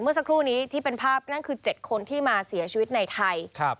เมื่อสักครู่นี้ที่เป็นภาพนั่นคือ๗คนที่มาเสียชีวิตในไทย